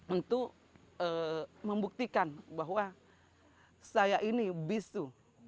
untuk membuktikan bahwa saya ini bisu